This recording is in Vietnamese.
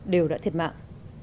đều đã thiệt mạng